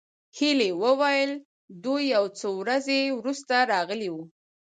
هيلې وویل دوی یو څو ورځې وروسته راغلې وې